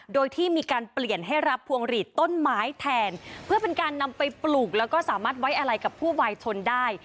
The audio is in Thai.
โดยที่มีการเปลี่ยนให้รับพวงหลีดต้นไม้แทนเพื่อเป็นการนำไปปลูกแล้วก็สามารถไว้อะไรกับผู้วายชนได้